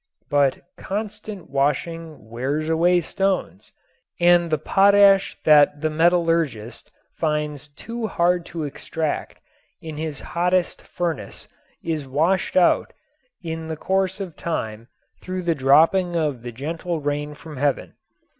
But "constant washing wears away stones" and the potash that the metallurgist finds too hard to extract in his hottest furnace is washed out in the course of time through the dropping of the gentle rain from heaven.